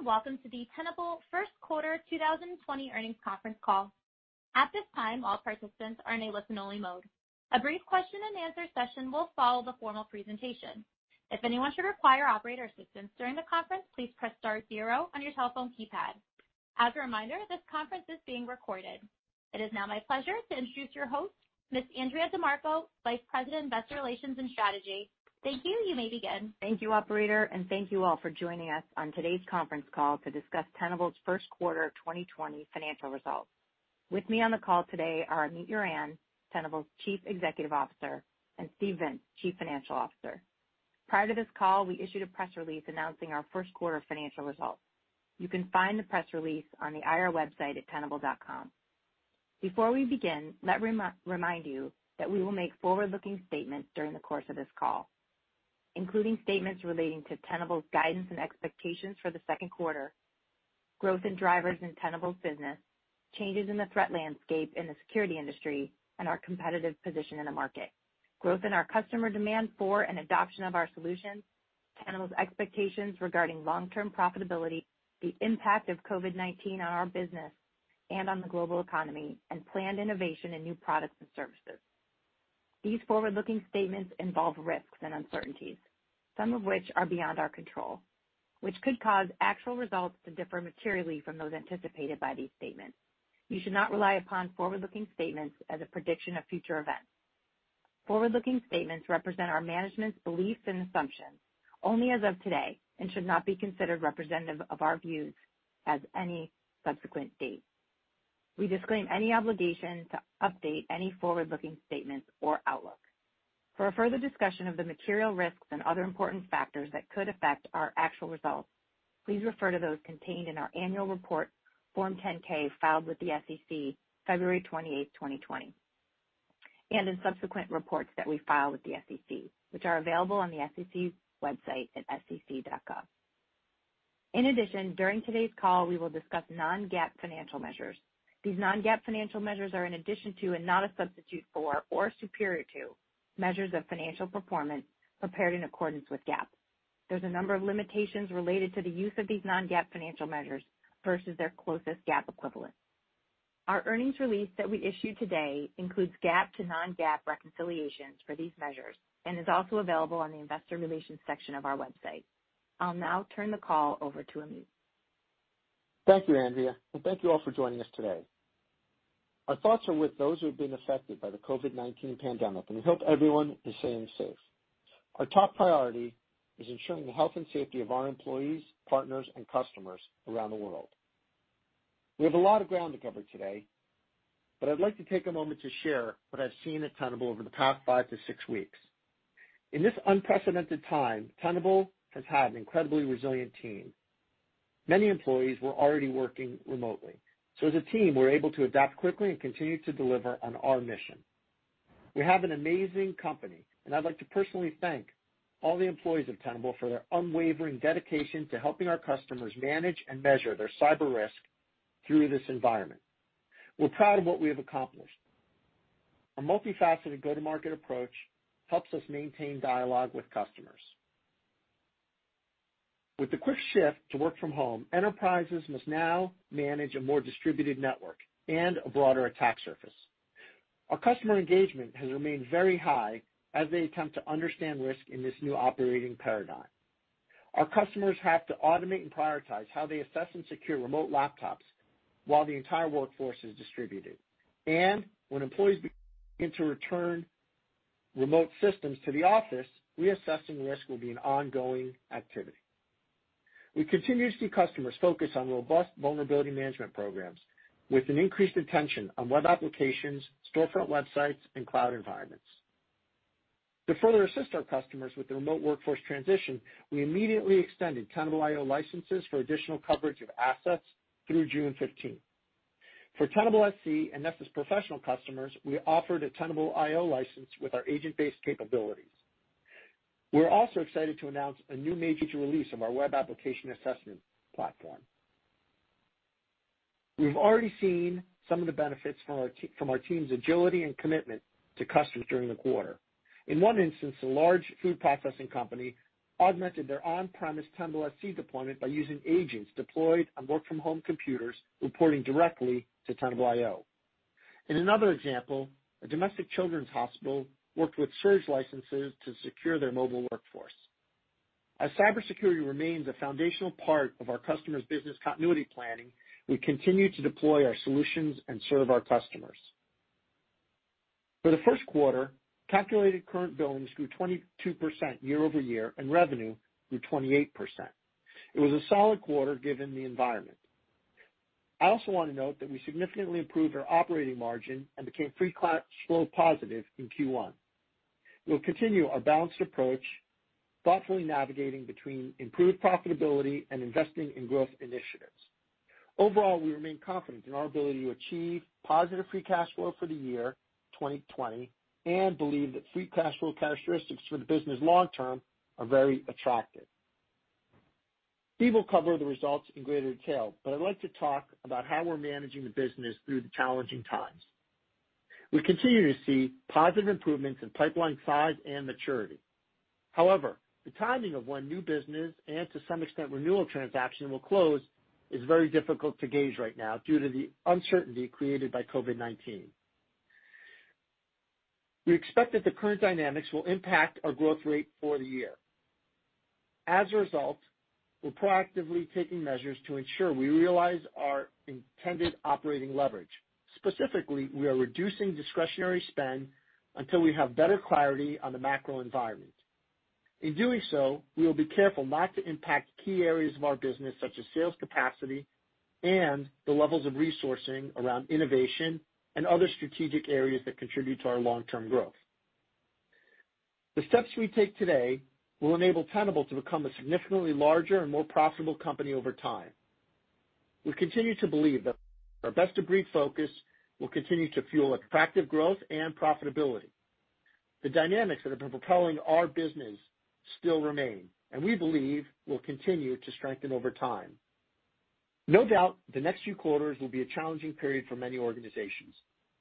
Greetings and welcome to the Tenable First Quarter 2020 Earnings Conference Call. At this time, all participants are in a listen-only mode. A brief question-and-answer session will follow the formal presentation. If anyone should require operator assistance during the conference, please press star zero on your telephone keypad. As a reminder, this conference is being recorded. It is now my pleasure to introduce your host, Ms. Andrea DiMarco, Vice President, Investor Relations and Strategy. Thank you. You may begin. Thank you, Operator, and thank you all for joining us on today's conference call to discuss Tenable's first quarter 2020 financial results. With me on the call today are Amit Yoran, Tenable's Chief Executive Officer, and Steve Vintz, Chief Financial Officer. Prior to this call, we issued a press release announcing our first quarter financial results. You can find the press release on the IR website at tenable.com. Before we begin, let me remind you that we will make forward-looking statements during the course of this call, including statements relating to Tenable's guidance and expectations for the second quarter, growth and drivers in Tenable's business, changes in the threat landscape in the security industry, and our competitive position in the market, growth in our customer demand for and adoption of our solutions, Tenable's expectations regarding long-term profitability, the impact of COVID-19 on our business and on the global economy, and planned innovation in new products and services. These forward-looking statements involve risks and uncertainties, some of which are beyond our control, which could cause actual results to differ materially from those anticipated by these statements. You should not rely upon forward-looking statements as a prediction of future events. Forward-looking statements represent our management's beliefs and assumptions only as of today and should not be considered representative of our views at any subsequent date. We disclaim any obligation to update any forward-looking statements or outlook. For further discussion of the material risks and other important factors that could affect our actual results, please refer to those contained in our annual report, Form 10-K, filed with the SEC, February 28, 2020, and in subsequent reports that we file with the SEC, which are available on the SEC's website at sec.gov. In addition, during today's call, we will discuss non-GAAP financial measures. These non-GAAP financial measures are in addition to and not a substitute for or superior to measures of financial performance prepared in accordance with GAAP. There's a number of limitations related to the use of these non-GAAP financial measures versus their closest GAAP equivalent. Our earnings release that we issued today includes GAAP to non-GAAP reconciliations for these measures and is also available on the Investor Relations section of our website. I'll now turn the call over to Amit. Thank you, Andrea, and thank you all for joining us today. Our thoughts are with those who have been affected by the COVID-19 pandemic, and we hope everyone is safe and sound. Our top priority is ensuring the health and safety of our employees, partners, and customers around the world. We have a lot of ground to cover today, but I'd like to take a moment to share what I've seen at Tenable over the past five to six weeks. In this unprecedented time, Tenable has had an incredibly resilient team. Many employees were already working remotely, so as a team, we're able to adapt quickly and continue to deliver on our mission. We have an amazing company, and I'd like to personally thank all the employees of Tenable for their unwavering dedication to helping our customers manage and measure their cyber risk through this environment. We're proud of what we have accomplished. Our multifaceted go-to-market approach helps us maintain dialogue with customers. With the quick shift to work from home, enterprises must now manage a more distributed network and a broader attack surface. Our customer engagement has remained very high as they attempt to understand risk in this new operating paradigm. Our customers have to automate and prioritize how they assess and secure remote laptops while the entire workforce is distributed, and when employees begin to return remote systems to the office, reassessing risk will be an ongoing activity. We continue to see customers focus on robust Vulnerability Management programs with an increased attention on web applications, storefront websites, and cloud environments. To further assist our customers with the remote workforce transition, we immediately extended Tenable.io licenses for additional coverage of assets through June 15. For Tenable.sc and Nessus Professional customers, we offered a Tenable.io license with our agent-based capabilities. We're also excited to announce a new major release of our web application assessment platform. We've already seen some of the benefits from our team's agility and commitment to customers during the quarter. In one instance, a large food processing company augmented their on-premise Tenable.sc deployment by using agents deployed on work-from-home computers reporting directly to Tenable.io. In another example, a domestic children's hospital worked with surge licenses to secure their mobile workforce. As cybersecurity remains a foundational part of our customers' business continuity planning, we continue to deploy our solutions and serve our customers. For the first quarter, calculated current billings grew 22% year over year and revenue grew 28%. It was a solid quarter given the environment. I also want to note that we significantly improved our operating margin and became free cash flow positive in Q1. We'll continue our balanced approach, thoughtfully navigating between improved profitability and investing in growth initiatives. Overall, we remain confident in our ability to achieve positive free cash flow for the year 2020 and believe that free cash flow characteristics for the business long-term are very attractive. Steve will cover the results in greater detail, but I'd like to talk about how we're managing the business through the challenging times. We continue to see positive improvements in pipeline size and maturity. However, the timing of when new business and, to some extent, renewal transaction will close is very difficult to gauge right now due to the uncertainty created by COVID-19. We expect that the current dynamics will impact our growth rate for the year. As a result, we're proactively taking measures to ensure we realize our intended operating leverage. Specifically, we are reducing discretionary spend until we have better clarity on the macro environment. In doing so, we will be careful not to impact key areas of our business, such as sales capacity and the levels of resourcing around innovation and other strategic areas that contribute to our long-term growth. The steps we take today will enable Tenable to become a significantly larger and more profitable company over time. We continue to believe that our best-of-breed focus will continue to fuel attractive growth and profitability. The dynamics that have been propelling our business still remain, and we believe will continue to strengthen over time. No doubt, the next few quarters will be a challenging period for many organizations.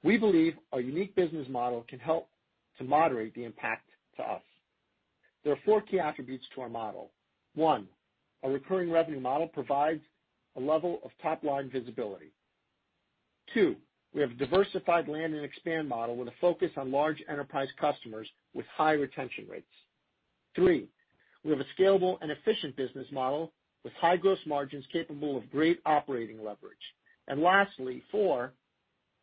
We believe our unique business model can help to moderate the impact to us. There are four key attributes to our model. One, our recurring revenue model provides a level of top-line visibility. Two, we have a diversified land and expand model with a focus on large enterprise customers with high retention rates. Three, we have a scalable and efficient business model with high gross margins capable of great operating leverage. And lastly, four,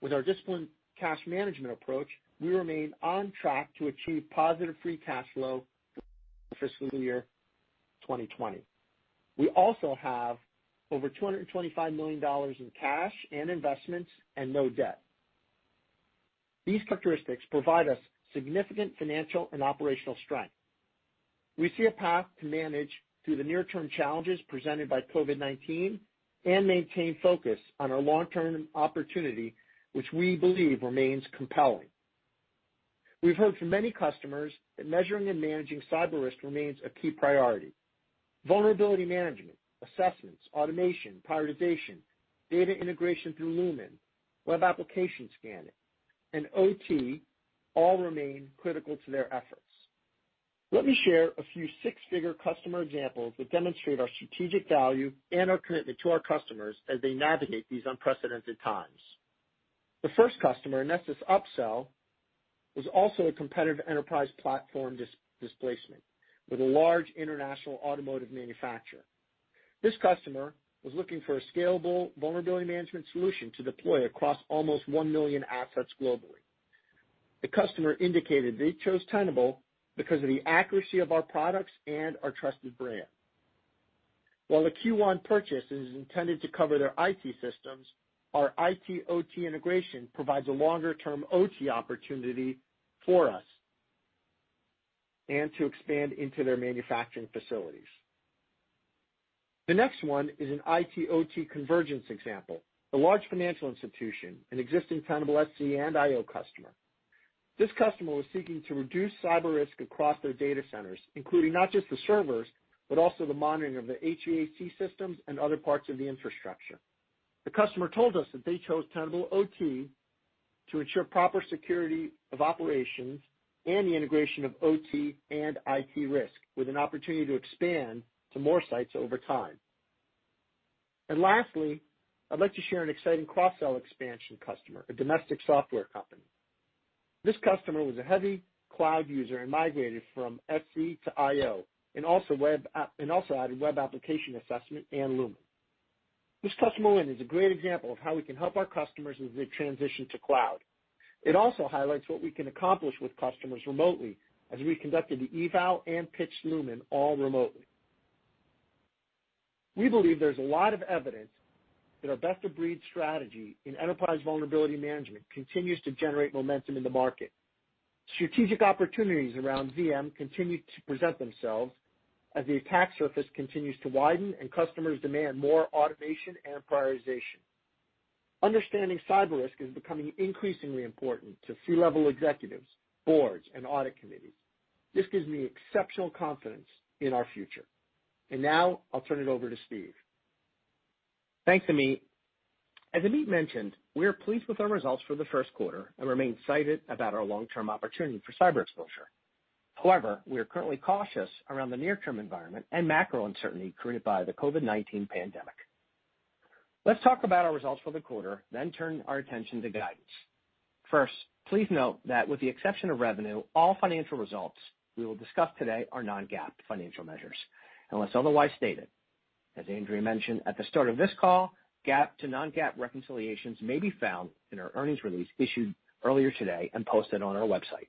with our disciplined cash management approach, we remain on track to achieve positive free cash flow for the fiscal year 2020. We also have over $225 million in cash and investments and no debt. These characteristics provide us significant financial and operational strength. We see a path to manage through the near-term challenges presented by COVID-19 and maintain focus on our long-term opportunity, which we believe remains compelling. We've heard from many customers that measuring and managing cyber risk remains a key priority. Vulnerability Management, assessments, automation, prioritization, data integration through Lumin, web application scanning, and OT all remain critical to their efforts. Let me share a few six-figure customer examples that demonstrate our strategic value and our commitment to our customers as they navigate these unprecedented times. The first customer, Nessus upsell, was also a competitive enterprise platform displacement with a large international automotive manufacturer. This customer was looking for a scalable Vulnerability Management solution to deploy across almost one million assets globally. The customer indicated they chose Tenable because of the accuracy of our products and our trusted brand. While the Q1 purchase is intended to cover their IT systems, our IT/OT integration provides a longer-term OT opportunity for us and to expand into their manufacturing facilities. The next one is an IT/OT convergence example. A large financial institution, an existing Tenable.sc and IO customer, this customer was seeking to reduce cyber risk across their data centers, including not just the servers, but also the monitoring of the HVAC systems and other parts of the infrastructure. The customer told us that they chose Tenable.ot to ensure proper security of operations and the integration of OT and IT risk with an opportunity to expand to more sites over time. And lastly, I'd like to share an exciting cross-sell expansion customer, a domestic software company. This customer was a heavy cloud user and migrated from SC to IO and also added web application assessment and Lumin. This customer is a great example of how we can help our customers with their transition to cloud. It also highlights what we can accomplish with customers remotely as we conducted the eval and pitched Lumin all remotely. We believe there's a lot of evidence that our best-of-breed strategy in enterprise Vulnerability Management continues to generate momentum in the market. Strategic opportunities around VM continue to present themselves as the attack surface continues to widen and customers demand more automation and prioritization. Understanding cyber risk is becoming increasingly important to C-level executives, boards, and audit committees. This gives me exceptional confidence in our future. And now I'll turn it over to Steve. Thanks, Amit. As Amit mentioned, we're pleased with our results for the first quarter and remain excited about our long-term opportunity for Cyber Exposure. However, we're currently cautious around the near-term environment and macro uncertainty created by the COVID-19 pandemic. Let's talk about our results for the quarter, then turn our attention to guidance. First, please note that with the exception of revenue, all financial results we will discuss today are non-GAAP financial measures unless otherwise stated. As Andrea mentioned at the start of this call, GAAP to non-GAAP reconciliations may be found in our earnings release issued earlier today and posted on our website.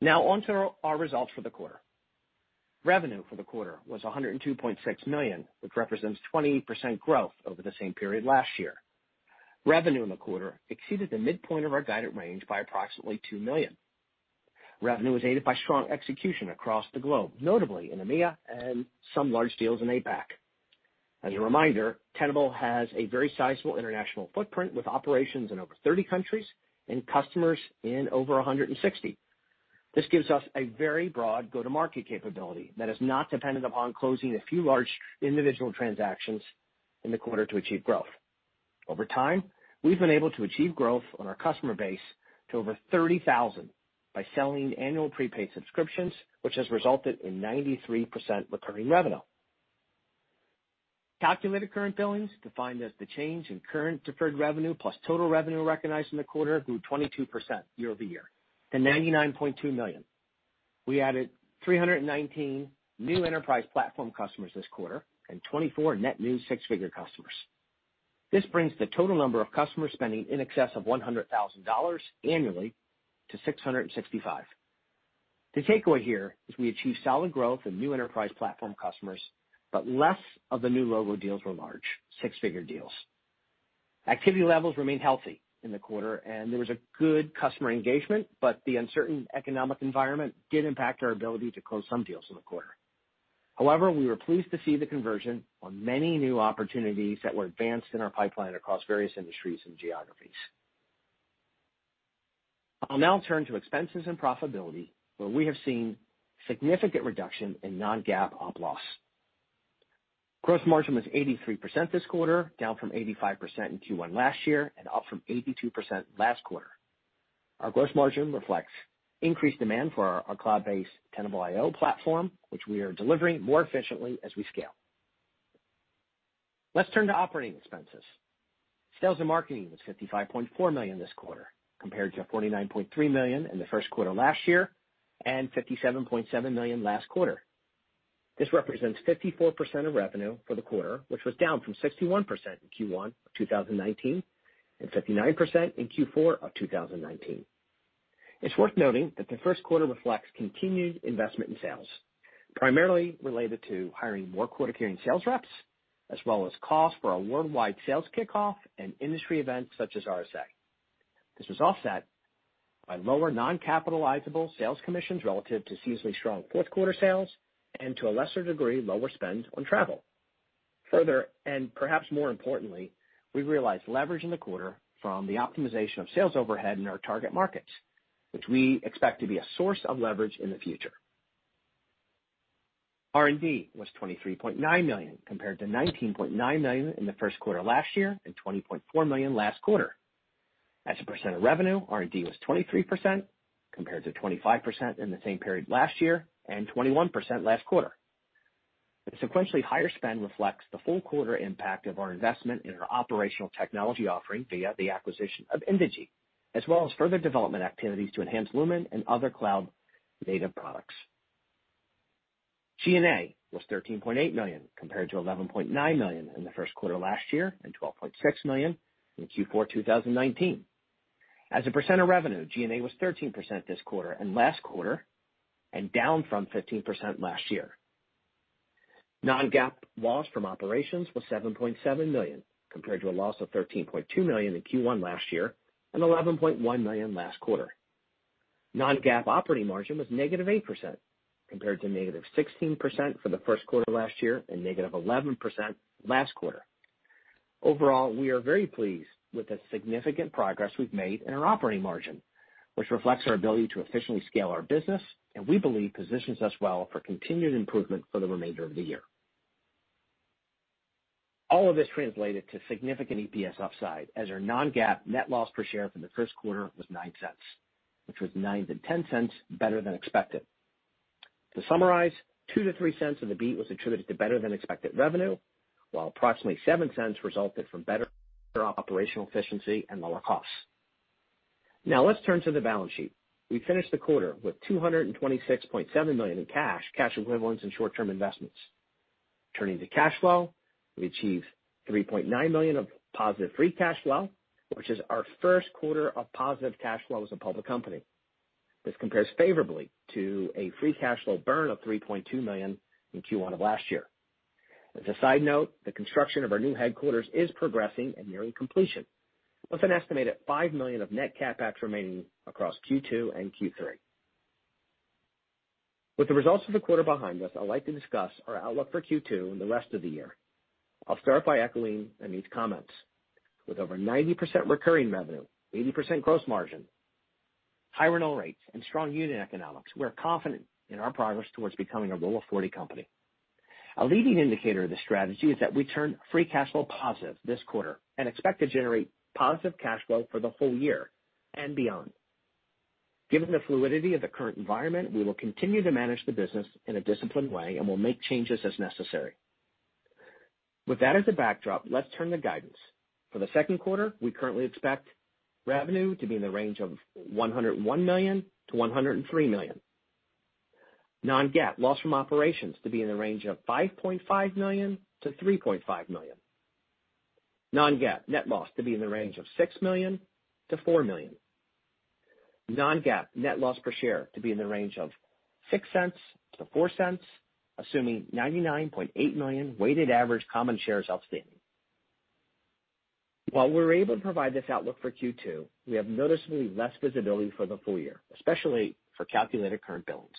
Now onto our results for the quarter. Revenue for the quarter was $102.6 million, which represents 28% growth over the same period last year. Revenue in the quarter exceeded the midpoint of our guided range by approximately $2 million. Revenue was aided by strong execution across the globe, notably in EMEA and some large deals in APAC. As a reminder, Tenable has a very sizable international footprint with operations in over 30 countries and customers in over 160. This gives us a very broad go-to-market capability that has not depended upon closing a few large individual transactions in the quarter to achieve growth. Over time, we've been able to achieve growth on our customer base to over 30,000 by selling annual prepaid subscriptions, which has resulted in 93% recurring revenue. Calculated current billings, defined as the change in current deferred revenue plus total revenue recognized in the quarter, grew 22% year over year, to $99.2 million. We added 319 new enterprise platform customers this quarter and 24 net new six-figure customers. This brings the total number of customers spending in excess of $100,000 annually to 665. The takeaway here is we achieved solid growth in new enterprise platform customers, but less of the new logo deals were large, six-figure deals. Activity levels remained healthy in the quarter, and there was good customer engagement, but the uncertain economic environment did impact our ability to close some deals in the quarter. However, we were pleased to see the conversion on many new opportunities that were advanced in our pipeline across various industries and geographies. I'll now turn to expenses and profitability, where we have seen significant reduction in non-GAAP operating loss. Gross margin was 83% this quarter, down from 85% in Q1 last year and up from 82% last quarter. Our gross margin reflects increased demand for our cloud-based Tenable.io platform, which we are delivering more efficiently as we scale. Let's turn to operating expenses. Sales and marketing was $55.4 million this quarter, compared to $49.3 million in the first quarter last year and $57.7 million last quarter. This represents 54% of revenue for the quarter, which was down from 61% in Q1 of 2019 and 59% in Q4 of 2019. It's worth noting that the first quarter reflects continued investment in sales, primarily related to hiring more quota-carrying sales reps, as well as costs for a worldwide sales kickoff and industry events such as RSA. This was offset by lower non-capitalizable sales commissions relative to seasonally strong fourth quarter sales and, to a lesser degree, lower spend on travel. Further, and perhaps more importantly, we realized leverage in the quarter from the optimization of sales overhead in our target markets, which we expect to be a source of leverage in the future. R&D was $23.9 million, compared to $19.9 million in the first quarter last year and $20.4 million last quarter. As a percent of revenue, R&D was 23%, compared to 25% in the same period last year and 21% last quarter. The sequentially higher spend reflects the full quarter impact of our investment in our operational technology offering via the acquisition of Indegy, as well as further development activities to enhance Lumin and other cloud-native products. G&A was $13.8 million, compared to $11.9 million in the first quarter last year and $12.6 million in Q4 2019. As a percent of revenue, G&A was 13% this quarter and last quarter, and down from 15% last year. Non-GAAP loss from operations was $7.7 million, compared to a loss of $13.2 million in Q1 last year and $11.1 million last quarter. Non-GAAP operating margin was negative 8%, compared to negative 16% for the first quarter last year and negative 11% last quarter. Overall, we are very pleased with the significant progress we've made in our operating margin, which reflects our ability to efficiently scale our business, and we believe positions us well for continued improvement for the remainder of the year. All of this translated to significant EPS upside, as our non-GAAP net loss per share for the first quarter was $0.09, which was $0.09 to $0.10 better than expected. To summarize, $0.02 to $0.03 of the beat was attributed to better than expected revenue, while approximately $0.07 resulted from better operational efficiency and lower costs. Now let's turn to the balance sheet. We finished the quarter with $226.7 million in cash, cash equivalents, and short-term investments. Turning to cash flow, we achieved $3.9 million of positive free cash flow, which is our first quarter of positive cash flow as a public company. This compares favorably to a free cash flow burn of $3.2 million in Q1 of last year. As a side note, the construction of our new headquarters is progressing and nearing completion, with an estimated $5 million of net CapEx remaining across Q2 and Q3. With the results of the quarter behind us, I'd like to discuss our outlook for Q2 and the rest of the year. I'll start by echoing Amit's comments. With over 90% recurring revenue, 80% gross margin, high renewal rates, and strong unit economics, we're confident in our progress towards becoming a Rule of 40 company. A leading indicator of the strategy is that we turned free cash flow positive this quarter and expect to generate positive cash flow for the whole year and beyond. Given the fluidity of the current environment, we will continue to manage the business in a disciplined way and will make changes as necessary. With that as a backdrop, let's turn to guidance. For the second quarter, we currently expect revenue to be in the range of $101 million-$103 million. Non-GAAP loss from operations to be in the range of $5.5 million-$3.5 million. Non-GAAP net loss to be in the range of $6 million-$4 million. Non-GAAP net loss per share to be in the range of $0.06-$0.04, assuming 99.8 million weighted average common shares outstanding. While we're able to provide this outlook for Q2, we have noticeably less visibility for the full year, especially for calculated current billings.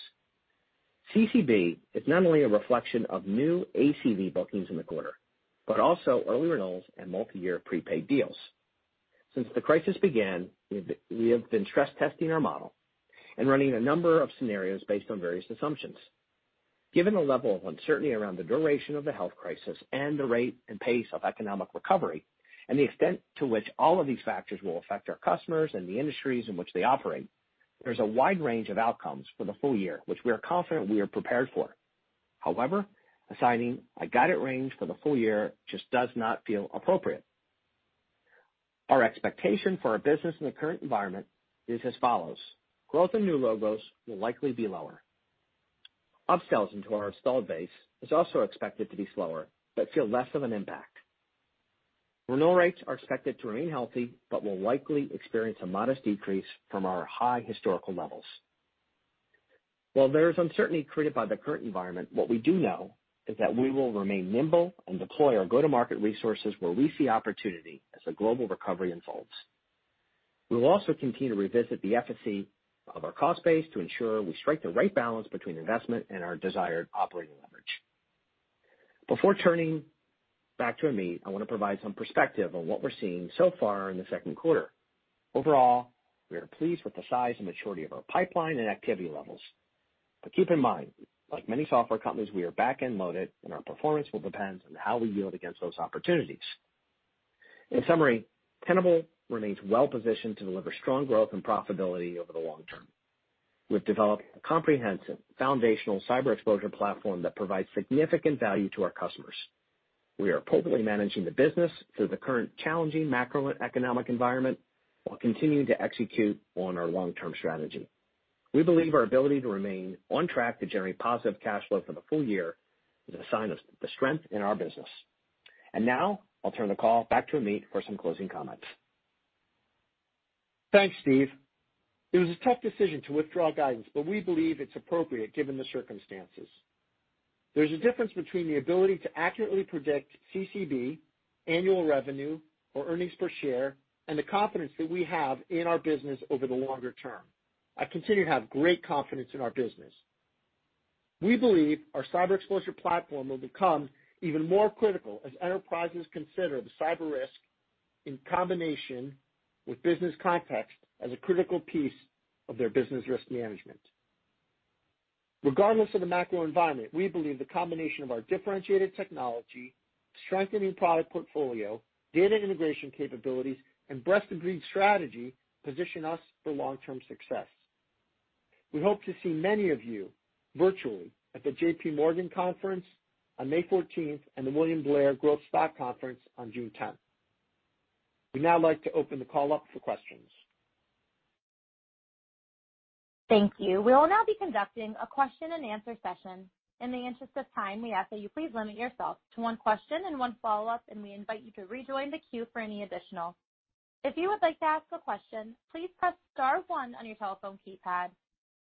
CCB is not only a reflection of new ACV bookings in the quarter, but also early renewals and multi-year prepaid deals. Since the crisis began, we have been stress testing our model and running a number of scenarios based on various assumptions. Given the level of uncertainty around the duration of the health crisis and the rate and pace of economic recovery, and the extent to which all of these factors will affect our customers and the industries in which they operate, there's a wide range of outcomes for the full year, which we are confident we are prepared for. However, assigning a guided range for the full year just does not feel appropriate. Our expectation for our business in the current environment is as follows: growth in new logos will likely be lower. Upsells into our installed base is also expected to be slower, but feel less of an impact. Renewal rates are expected to remain healthy, but will likely experience a modest decrease from our high historical levels. While there is uncertainty created by the current environment, what we do know is that we will remain nimble and deploy our go-to-market resources where we see opportunity as the global recovery unfolds. We will also continue to revisit the efficacy of our cost base to ensure we strike the right balance between investment and our desired operating leverage. Before turning back to Amit, I want to provide some perspective on what we're seeing so far in the second quarter. Overall, we are pleased with the size and maturity of our pipeline and activity levels, but keep in mind, like many software companies, we are back-end loaded, and our performance will depend on how we yield against those opportunities. In summary, Tenable remains well-positioned to deliver strong growth and profitability over the long term. We've developed a comprehensive foundational Cyber Exposure platform that provides significant value to our customers. We are appropriately managing the business through the current challenging macroeconomic environment while continuing to execute on our long-term strategy. We believe our ability to remain on track to generate positive cash flow for the full year is a sign of the strength in our business, and now I'll turn the call back to Amit for some closing comments. Thanks, Steve. It was a tough decision to withdraw guidance, but we believe it's appropriate given the circumstances. There's a difference between the ability to accurately predict CCB, annual revenue, or earnings per share, and the confidence that we have in our business over the longer term. I continue to have great confidence in our business. We believe our Cyber Exposure platform will become even more critical as enterprises consider the cyber risk in combination with business context as a critical piece of their business risk management. Regardless of the macro environment, we believe the combination of our differentiated technology, strengthening product portfolio, data integration capabilities, and best-of-breed strategy position us for long-term success. We hope to see many of you virtually at the JPMorgan Conference on May 14th and the William Blair Growth Stock Conference on June 10th. We'd now like to open the call up for questions. Thank you. We will now be conducting a question-and-answer session. In the interest of time, we ask that you please limit yourself to one question and one follow-up, and we invite you to rejoin the queue for any additional. If you would like to ask a question, please press Star 1 on your telephone keypad.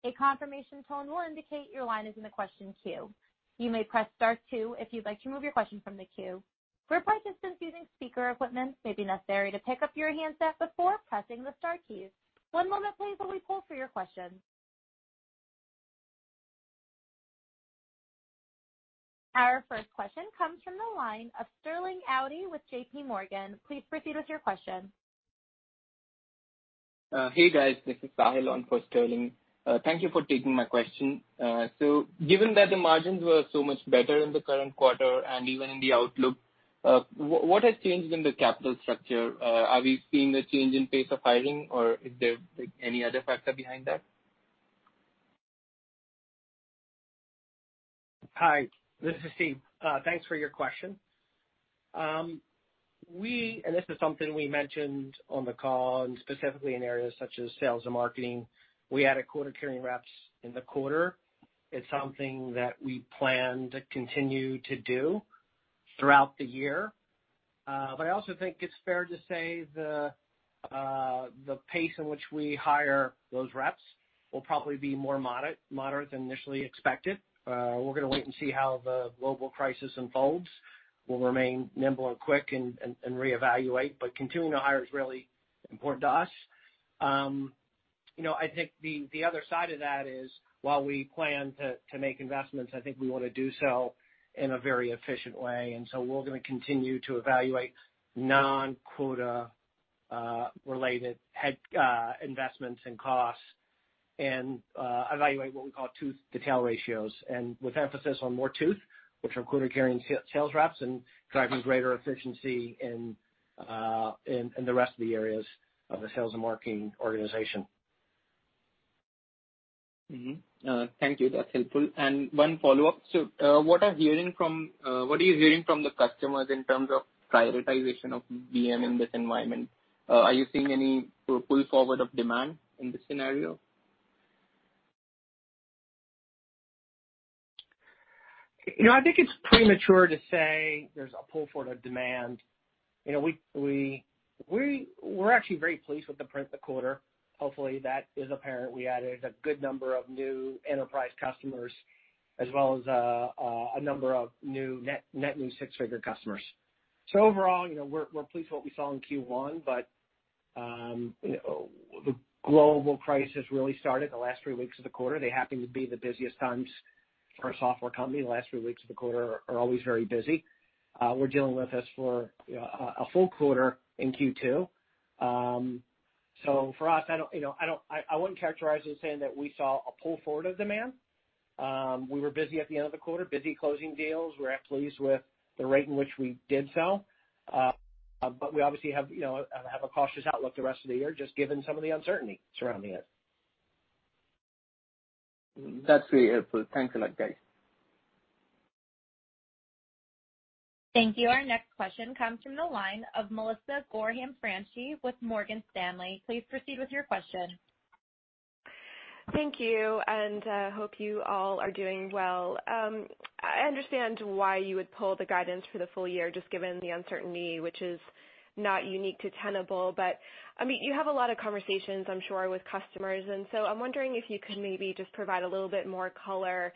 A confirmation tone will indicate your line is in the question queue. You may press Star 2 if you'd like to move your question from the queue. For participants using speaker equipment, it may be necessary to pick up your handset before pressing the Star keys. One moment please while we pull through your questions. Our first question comes from the line of Sterling Auty with JPMorgan. Please proceed with your question. Hey, guys. This is Sahil on for Sterling. Thank you for taking my question. So given that the margins were so much better in the current quarter and even in the outlook, what has changed in the capital structure? Are we seeing a change in pace of hiring, or is there any other factor behind that? Hi, this is Steve. Thanks for your question and this is something we mentioned on the call, and specifically in areas such as sales and marketing. We added quota-carrying reps in the quarter. It's something that we plan to continue to do throughout the year but I also think it's fair to say the pace in which we hire those reps will probably be more moderate than initially expected. We're going to wait and see how the global crisis unfolds. We'll remain nimble and quick and reevaluate, but continuing to hire is really important to us. I think the other side of that is, while we plan to make investments, I think we want to do so in a very efficient way. And so we're going to continue to evaluate non-quota-related investments and costs and evaluate what we call tooth-to-tail ratios, and with emphasis on more tooth, which are quota-carrying sales reps and driving greater efficiency in the rest of the areas of the sales and marketing organization. Thank you. That's helpful, and one follow-up. So what are you hearing from the customers in terms of prioritization of VM in this environment? Are you seeing any pull forward of demand in this scenario? I think it's premature to say there's a pull forward of demand. We're actually very pleased with the quarter. Hopefully, that is apparent. We added a good number of new enterprise customers, as well as a number of net new six-figure customers. So overall, we're pleased with what we saw in Q1, but the global crisis really started the last three weeks of the quarter. They happen to be the busiest times for a software company. The last three weeks of the quarter are always very busy. We're dealing with this for a full quarter in Q2. So for us, I wouldn't characterize it as saying that we saw a pull forward of demand. We were busy at the end of the quarter, busy closing deals. We're pleased with the rate in which we did sell. But we obviously have a cautious outlook the rest of the year, just given some of the uncertainty surrounding it. That's very helpful. Thanks a lot, guys. Thank you. Our next question comes from the line of Melissa Gorham Franchi with Morgan Stanley. Please proceed with your question. Thank you. And I hope you all are doing well. I understand why you would pull the guidance for the full year, just given the uncertainty, which is not unique to Tenable. But I mean, you have a lot of conversations, I'm sure, with customers. And so I'm wondering if you could maybe just provide a little bit more color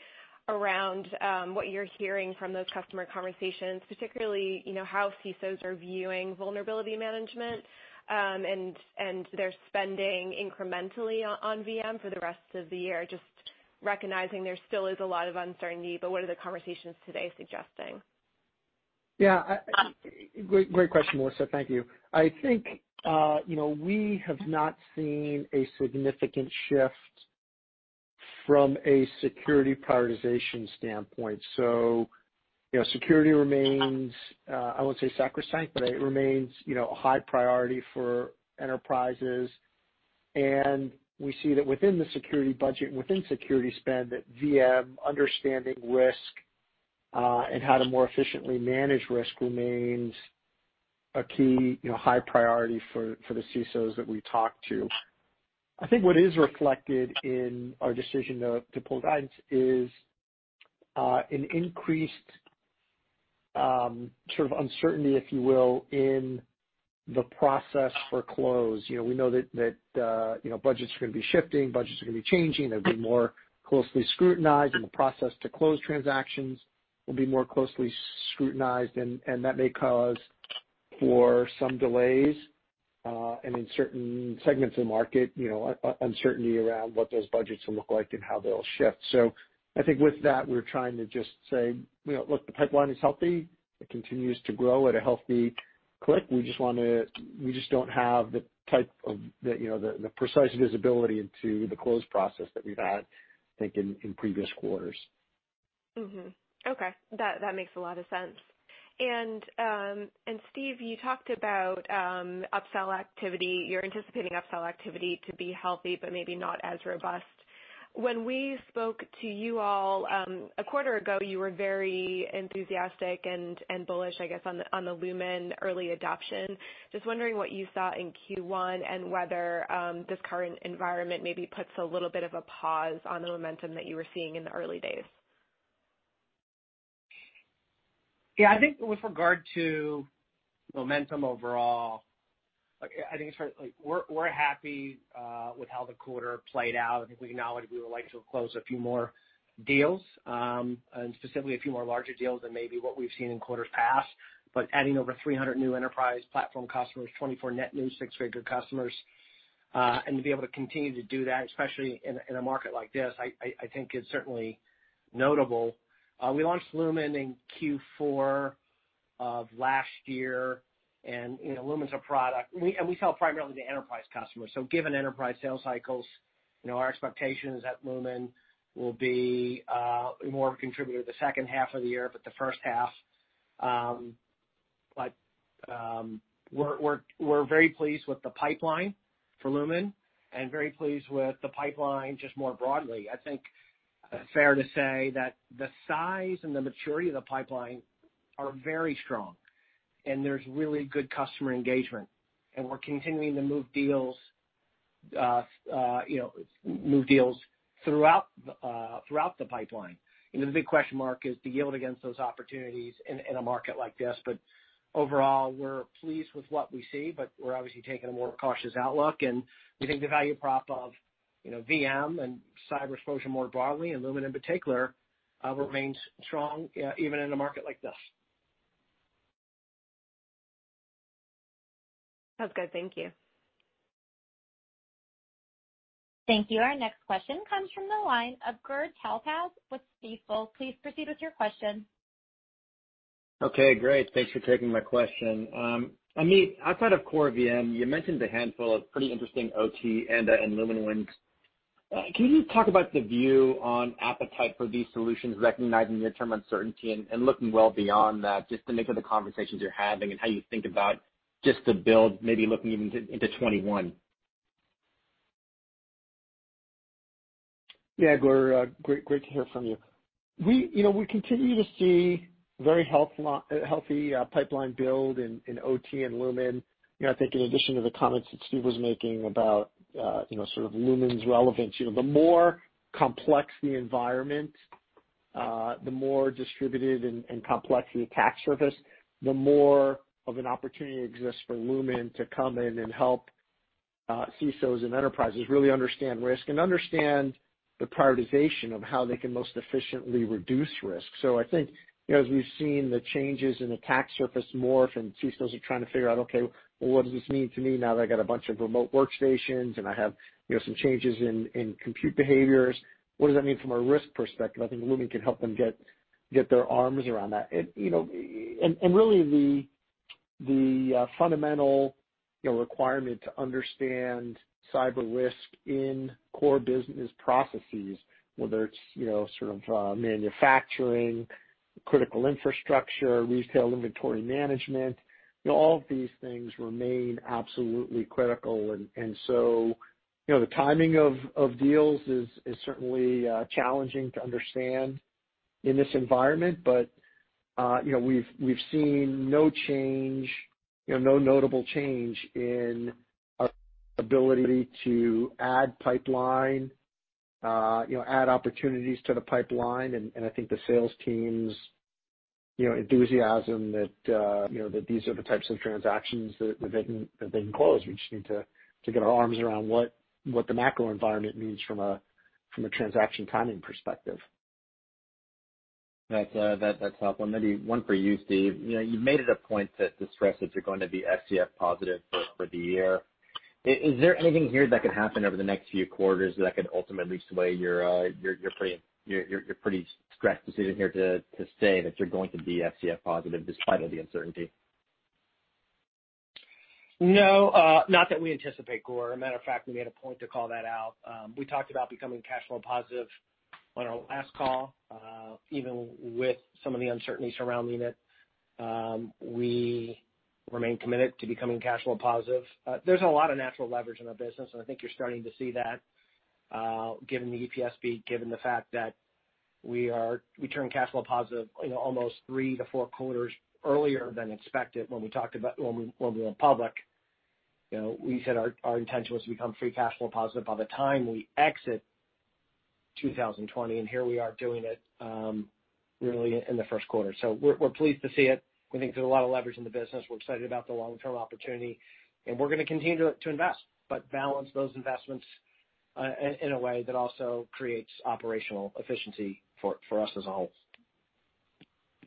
around what you're hearing from those customer conversations, particularly how CISOs are viewing Vulnerability Management and their spending incrementally on VM for the rest of the year, just recognizing there still is a lot of uncertainty, but what are the conversations today suggesting? Yeah. Great question, Melissa. Thank you. I think we have not seen a significant shift from a security prioritization standpoint. So security remains, I won't say sacrosanct, but it remains a high priority for enterprises. And we see that within the security budget and within security spend, that VM understanding risk and how to more efficiently manage risk remains a key high priority for the CISOs that we talk to. I think what is reflected in our decision to pull guidance is an increased sort of uncertainty, if you will, in the process for close. We know that budgets are going to be shifting, budgets are going to be changing. They'll be more closely scrutinized, and the process to close transactions will be more closely scrutinized. And that may cause some delays and in certain segments of the market, uncertainty around what those budgets will look like and how they'll shift. So I think with that, we're trying to just say, "Look, the pipeline is healthy. It continues to grow at a healthy clip. We just don't have the type of precise visibility into the close process that we've had, I think, in previous quarters. Okay. That makes a lot of sense, and Steve, you talked about upsell activity. You're anticipating upsell activity to be healthy, but maybe not as robust. When we spoke to you all a quarter ago, you were very enthusiastic and bullish, I guess, on the Lumin early adoption. Just wondering what you saw in Q1 and whether this current environment maybe puts a little bit of a pause on the momentum that you were seeing in the early days. Yeah. I think with regard to momentum overall, I think we're happy with how the quarter played out. I think we acknowledge we would like to close a few more deals, and specifically a few more larger deals than maybe what we've seen in quarters past. But adding over 300 new enterprise platform customers, 24 net new six-figure customers, and to be able to continue to do that, especially in a market like this, I think is certainly notable. We launched Lumin in Q4 of last year, and Lumin's a product and we sell primarily to enterprise customers. So given enterprise sales cycles, our expectations at Lumin will be more of a contributor the second half of the year, but the first half. But we're very pleased with the pipeline for Lumin and very pleased with the pipeline just more broadly. I think it's fair to say that the size and the maturity of the pipeline are very strong, and there's really good customer engagement. And we're continuing to move deals throughout the pipeline. The big question mark is to yield against those opportunities in a market like this. But overall, we're pleased with what we see, but we're obviously taking a more cautious outlook. And we think the value prop of VM and Cyber Exposure more broadly, and Lumin in particular, remains strong even in a market like this. That's good. Thank you. Thank you. Our next question comes from the line of Gur Talpaz with Stifel. Please proceed with your question. Okay. Great. Thanks for taking my question. Amit, outside of core VM, you mentioned a handful of pretty interesting OT and/or Lumin wins. Can you just talk about the view on appetite for these solutions, recognizing your term uncertainty and looking well beyond that, just to make sure the conversations you're having and how you think about just the build, maybe looking even into 2021? Yeah, Gur, great to hear from you. We continue to see very healthy pipeline build in OT and Lumin. I think in addition to the comments that Steve was making about sort of Lumin's relevance, the more complex the environment, the more distributed and complex the attack surface, the more of an opportunity exists for Lumin to come in and help CISOs and enterprises really understand risk and understand the prioritization of how they can most efficiently reduce risk. So I think as we've seen the changes in attack surface morph and CISOs are trying to figure out, "Okay, well, what does this mean to me now that I got a bunch of remote workstations and I have some changes in compute behaviors? What does that mean from a risk perspective?" I think Lumin can help them get their arms around that. Really, the fundamental requirement to understand cyber risk in core business processes, whether it's sort of manufacturing, critical infrastructure, retail inventory management, all of these things remain absolutely critical, and so the timing of deals is certainly challenging to understand in this environment, but we've seen no change, no notable change in our ability to add pipeline, add opportunities to the pipeline, and I think the sales team's enthusiasm that these are the types of transactions that they can close. We just need to get our arms around what the macro environment means from a transaction timing perspective. That's helpful. Maybe one for you, Steve. You've made it a point to stress that you're going to be FCF positive for the year. Is there anything here that could happen over the next few quarters that could ultimately sway your pretty stressed decision here to say that you're going to be FCF positive despite all the uncertainty? No, not that we anticipate, Gur. As a matter of fact, we made a point to call that out. We talked about becoming cash flow positive on our last call, even with some of the uncertainty surrounding it. We remain committed to becoming cash flow positive. There's a lot of natural leverage in our business, and I think you're starting to see that given the EPS beat, given the fact that we turned cash flow positive almost three to four quarters earlier than expected when we talked about when we went public. We said our intention was to become free cash flow positive by the time we exit 2020, and here we are doing it really in the first quarter. So we're pleased to see it. We think there's a lot of leverage in the business. We're excited about the long-term opportunity, and we're going to continue to invest, but balance those investments in a way that also creates operational efficiency for us as a whole.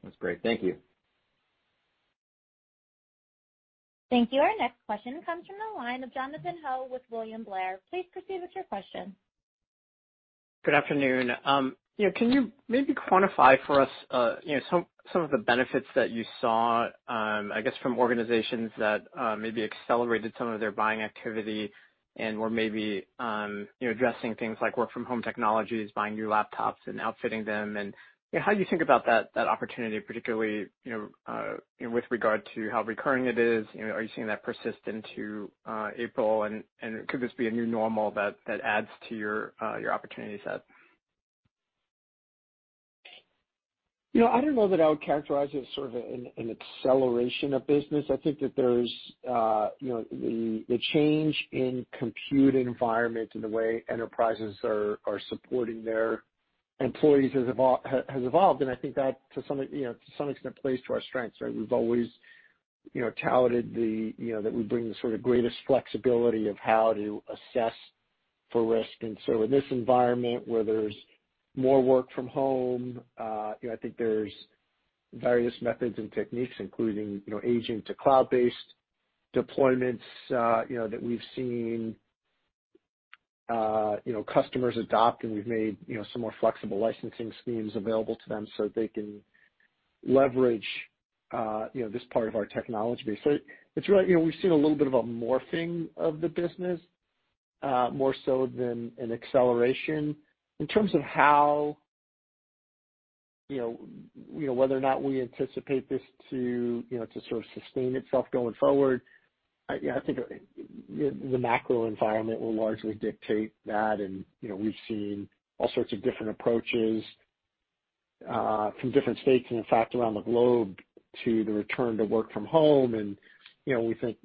That's great. Thank you. Thank you. Our next question comes from the line of Jonathan Ho with William Blair. Please proceed with your question. Good afternoon. Can you maybe quantify for us some of the benefits that you saw, I guess, from organizations that maybe accelerated some of their buying activity and were maybe addressing things like work-from-home technologies, buying new laptops and outfitting them? And how do you think about that opportunity, particularly with regard to how recurring it is? Are you seeing that persist into April? And could this be a new normal that adds to your opportunity set? I don't know that I would characterize it as sort of an acceleration of business. I think that there's the change in compute environment and the way enterprises are supporting their employees has evolved, and I think that, to some extent, plays to our strengths. We've always touted that we bring the sort of greatest flexibility of how to assess for risk, and so in this environment where there's more work from home, I think there's various methods and techniques, including agent to cloud-based deployments, that we've seen customers adopt, and we've made some more flexible licensing schemes available to them so that they can leverage this part of our technology base, so we've seen a little bit of a morphing of the business, more so than an acceleration. In terms of how, whether or not we anticipate this to sort of sustain itself going forward, I think the macro environment will largely dictate that. And we've seen all sorts of different approaches from different states and, in fact, around the globe to the return to work from home. And we think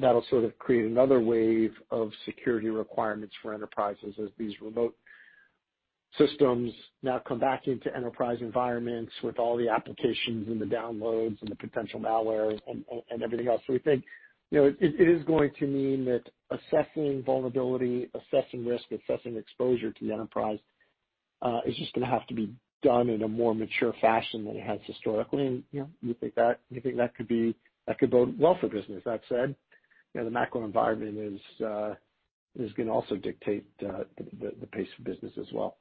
that'll sort of create another wave of security requirements for enterprises as these remote systems now come back into enterprise environments with all the applications and the downloads and the potential malware and everything else. So we think it is going to mean that assessing vulnerability, assessing risk, assessing exposure to the enterprise is just going to have to be done in a more mature fashion than it has historically. And we think that could be, that could bode well for business. That said, the macro environment is going to also dictate the pace of business as well.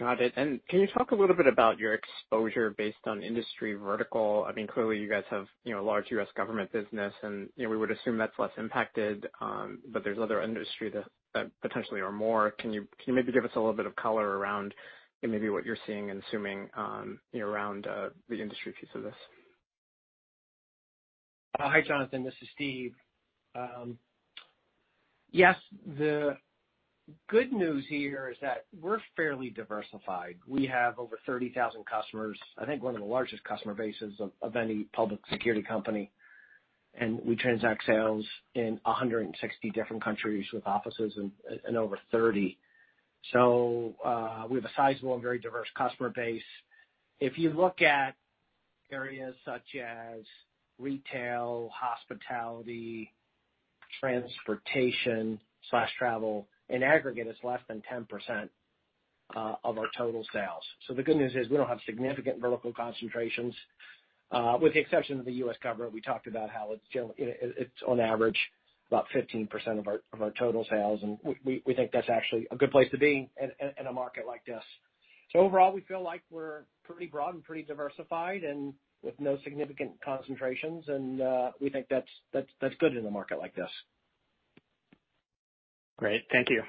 Got it. And can you talk a little bit about your exposure based on industry vertical? I mean, clearly, you guys have a large U.S. government business, and we would assume that's less impacted, but there's other industry that potentially are more. Can you maybe give us a little bit of color around maybe what you're seeing and assuming around the industry piece of this? Hi, Jonathan. This is Steve. Yes. The good news here is that we're fairly diversified. We have over 30,000 customers. I think we're one of the largest customer bases of any public security company. And we transact sales in 160 different countries with offices in over 30. So we have a sizable and very diverse customer base. If you look at areas such as retail, hospitality, transportation, travel, in aggregate, it's less than 10% of our total sales. So the good news is we don't have significant vertical concentrations. With the exception of the U.S. government, we talked about how it's on average about 15% of our total sales. And we think that's actually a good place to be in a market like this. So overall, we feel like we're pretty broad and pretty diversified and with no significant concentrations. And we think that's good in a market like this. Great. Thank you.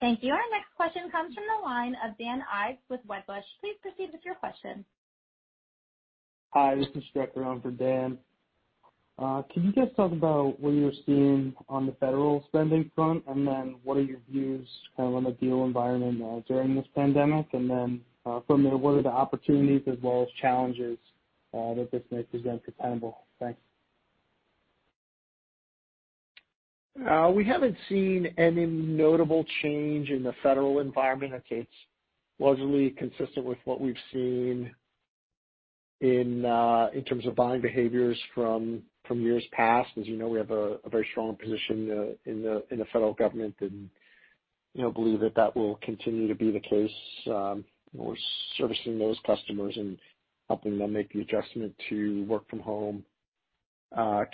Thank you. Our next question comes from the line of Dan Ives with Wedbush. Please proceed with your question. Hi. This is Strecker Backe on for Dan. Can you guys talk about what you're seeing on the federal spending front? And then what are your views kind of on the deal environment during this pandemic? And then from there, what are the opportunities as well as challenges that this may present for Tenable? Thanks. We haven't seen any notable change in the federal environment. I'd say it's largely consistent with what we've seen in terms of buying behaviors from years past. As you know, we have a very strong position in the federal government and believe that that will continue to be the case. We're servicing those customers and helping them make the adjustment to work-from-home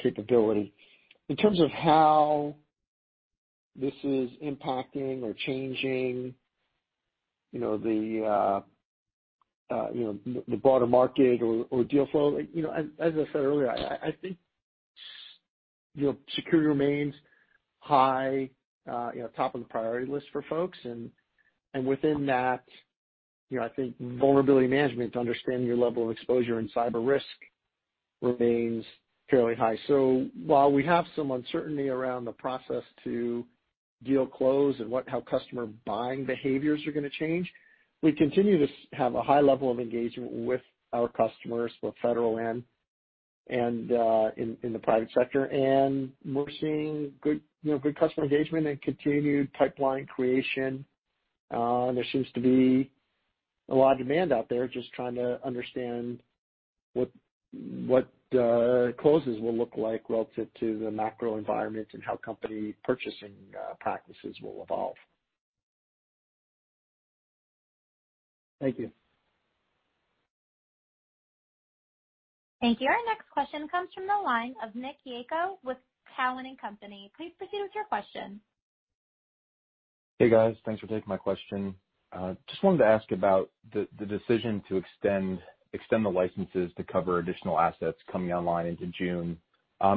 capability. In terms of how this is impacting or changing the broader market or deal flow, as I said earlier, I think security remains high, top of the priority list for folks. And within that, I think Vulnerability Management to understand your level of exposure and cyber risk remains fairly high. While we have some uncertainty around the process to deal close and how customer buying behaviors are going to change, we continue to have a high level of engagement with our customers, both federal and in the private sector. We’re seeing good customer engagement and continued pipeline creation. There seems to be a lot of demand out there just trying to understand what closes will look like relative to the macro environment and how company purchasing practices will evolve. Thank you. Thank you. Our next question comes from the line of Nick Yako with Cowen and Company. Please proceed with your question. Hey, guys. Thanks for taking my question. Just wanted to ask about the decision to extend the licenses to cover additional assets coming online into June.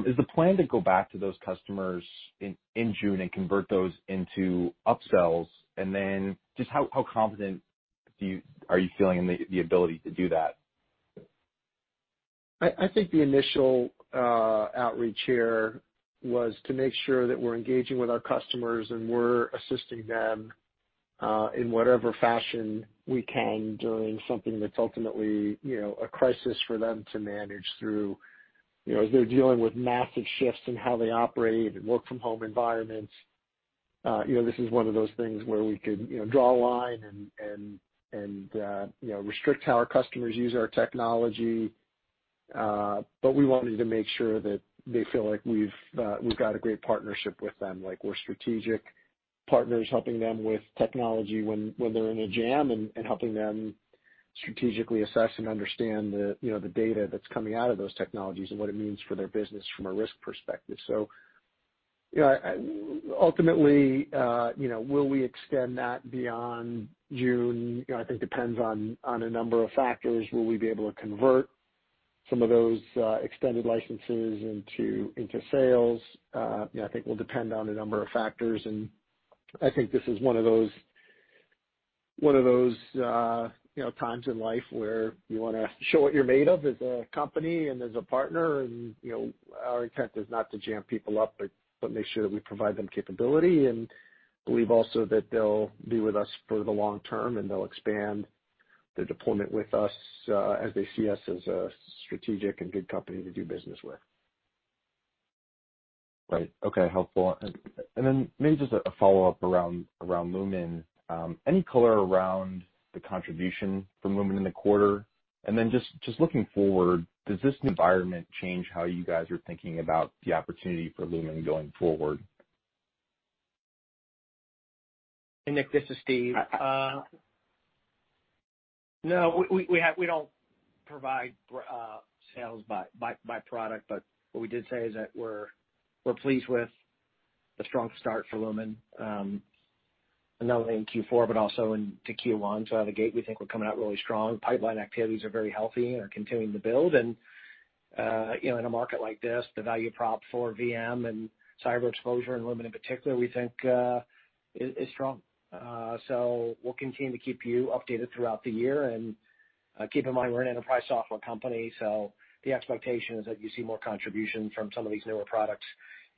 Is the plan to go back to those customers in June and convert those into upsells? And then just how confident are you feeling in the ability to do that? I think the initial outreach here was to make sure that we're engaging with our customers and we're assisting them in whatever fashion we can during something that's ultimately a crisis for them to manage through. As they're dealing with massive shifts in how they operate in work-from-home environments, this is one of those things where we could draw a line and restrict how our customers use our technology. But we wanted to make sure that they feel like we've got a great partnership with them, like we're strategic partners helping them with technology when they're in a jam and helping them strategically assess and understand the data that's coming out of those technologies and what it means for their business from a risk perspective. So ultimately, will we extend that beyond June? I think it depends on a number of factors. Will we be able to convert some of those extended licenses into sales? I think it will depend on a number of factors and I think this is one of those times in life where you want to show what you're made of as a company and as a partner. Our intent is not to jam people up, but make sure that we provide them capability and believe also that they'll be with us for the long term and they'll expand their deployment with us as they see us as a strategic and good company to do business with. Right. Okay. Helpful. And then maybe just a follow-up around Lumin. Any color around the contribution from Lumin in the quarter? And then just looking forward, does this environment change how you guys are thinking about the opportunity for Lumin going forward? Hey, Nick. This is Steve. No, we don't provide sales by product, but what we did say is that we're pleased with the strong start for Lumin. Not only in Q4, but also into Q1. So out of the gate, we think we're coming out really strong. Pipeline activities are very healthy and are continuing to build. And in a market like this, the value prop for VM and Cyber Exposure in Lumin in particular, we think is strong. So we'll continue to keep you updated throughout the year. And keep in mind, we're an enterprise software company. So the expectation is that you see more contribution from some of these newer products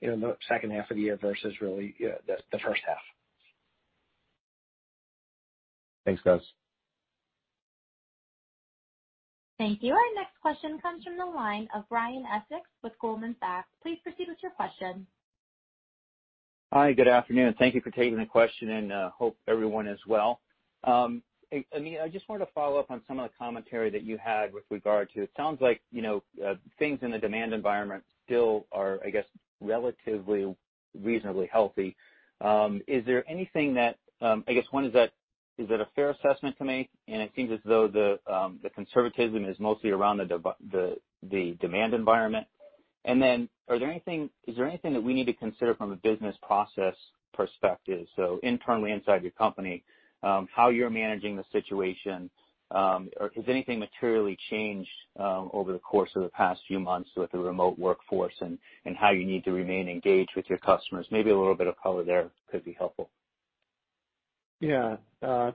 in the second half of the year versus really the first half. Thanks, guys. Thank you. Our next question comes from the line of Brian Essex with Goldman Sachs. Please proceed with your question. Hi. Good afternoon. Thank you for taking the question, and I hope everyone is well. I mean, I just wanted to follow up on some of the commentary that you had with regard to it sounds like things in the demand environment still are, I guess, relatively reasonably healthy. Is there anything that, I guess, one, is that a fair assessment to make, and it seems as though the conservatism is mostly around the demand environment. And then is there anything that we need to consider from a business process perspective, so internally inside your company, how you're managing the situation, or has anything materially changed over the course of the past few months with the remote workforce and how you need to remain engaged with your customers? Maybe a little bit of color there could be helpful. Yeah.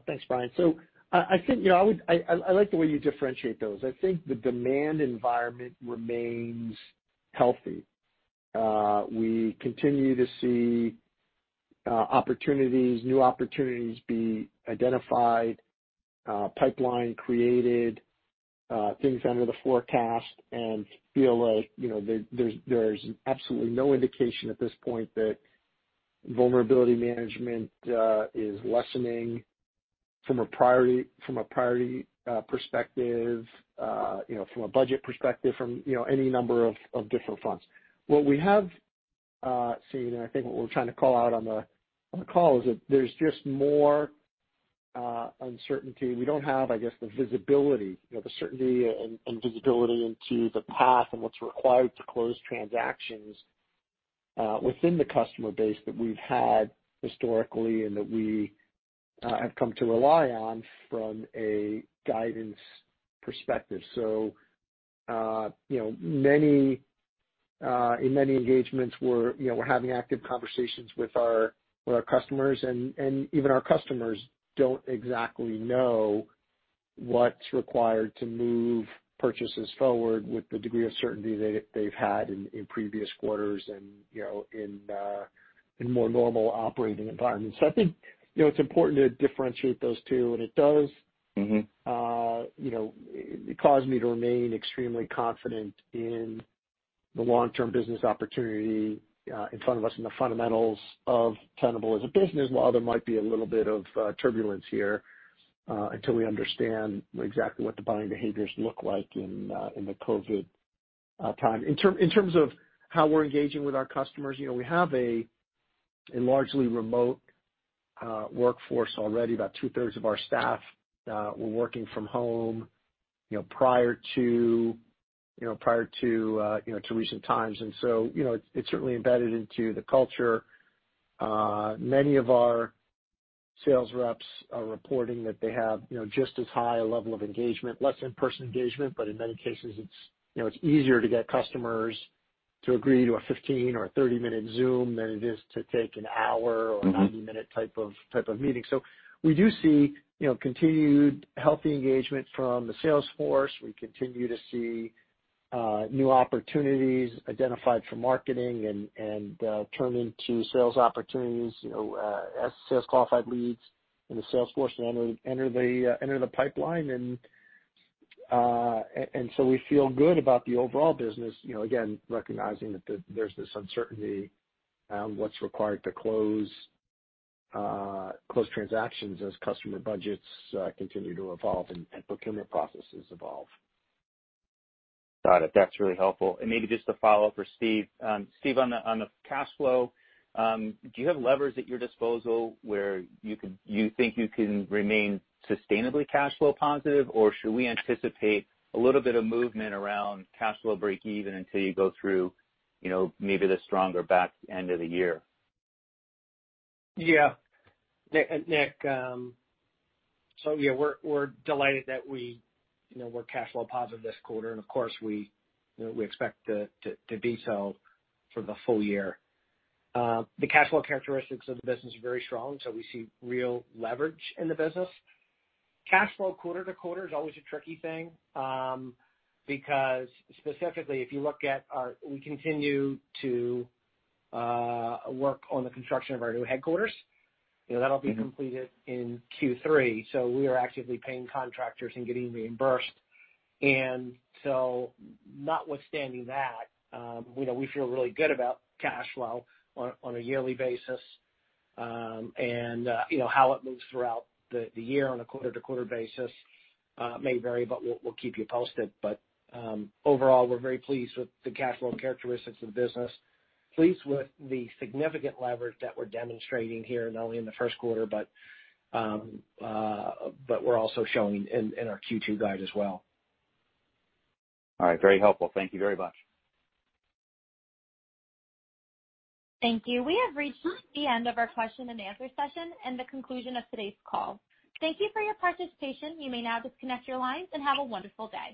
Thanks, Brian. So I think I like the way you differentiate those. I think the demand environment remains healthy. We continue to see new opportunities be identified, pipeline created, things under the forecast, and feel like there's absolutely no indication at this point that Vulnerability Management is lessening from a priority perspective, from a budget perspective, from any number of different fronts. What we have seen, and I think what we're trying to call out on the call, is that there's just more uncertainty. We don't have, I guess, the visibility, the certainty and visibility into the path and what's required to close transactions within the customer base that we've had historically and that we have come to rely on from a guidance perspective. So in many engagements, we're having active conversations with our customers. And even our customers don't exactly know what's required to move purchases forward with the degree of certainty they've had in previous quarters and in more normal operating environments. So I think it's important to differentiate those two. And it does cause me to remain extremely confident in the long-term business opportunity in front of us and the fundamentals of Tenable as a business, while there might be a little bit of turbulence here until we understand exactly what the buying behaviors look like in the COVID time. In terms of how we're engaging with our customers, we have a largely remote workforce already. About two-thirds of our staff were working from home prior to recent times. And so it's certainly embedded into the culture. Many of our sales reps are reporting that they have just as high a level of engagement, less in-person engagement, but in many cases, it's easier to get customers to agree to a 15- or 30-minute Zoom than it is to take an hour or a 90-minute type of meeting, so we do see continued healthy engagement from the sales force. We continue to see new opportunities identified for marketing and turn into sales opportunities as sales qualified leads in the sales force and enter the pipeline, and so we feel good about the overall business, again, recognizing that there's this uncertainty around what's required to close transactions as customer budgets continue to evolve and procurement processes evolve. Got it. That's really helpful. And maybe just to follow up with Steve. Steve, on the cash flow, do you have levers at your disposal where you think you can remain sustainably cash flow positive, or should we anticipate a little bit of movement around cash flow breakeven until you go through maybe the stronger back end of the year? Yeah. Nick. So yeah, we're delighted that we're cash flow positive this quarter. And of course, we expect to be so for the full year. The cash flow characteristics of the business are very strong. So we see real leverage in the business. Cash flow quarter to quarter is always a tricky thing because specifically, if you look at our, we continue to work on the construction of our new headquarters. That'll be completed in Q3. So we are actively paying contractors and getting reimbursed. And so notwithstanding that, we feel really good about cash flow on a yearly basis. And how it moves throughout the year on a quarter to quarter basis may vary, but we'll keep you posted. But overall, we're very pleased with the cash flow characteristics of the business, pleased with the significant leverage that we're demonstrating here, not only in the first quarter, but we're also showing in our Q2 guide as well. All right. Very helpful. Thank you very much. Thank you. We have reached the end of our question and answer session and the conclusion of today's call. Thank you for your participation. You may now disconnect your lines and have a wonderful day.